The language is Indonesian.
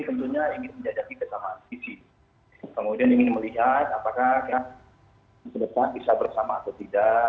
komunikasi politik ini tentunya ingin dijadaki kesamaan sisi kemudian ingin melihat apakah kita bisa bersama atau tidak